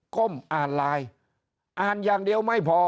ก้มอ่านไลน์อ่านอย่างเดียวไม่พอ